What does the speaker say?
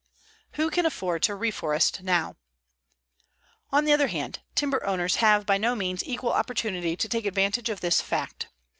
WHO CAN AFFORD TO REFOREST NOW On the other hand, timber owners have by no means equal opportunity to take advantage of this fact.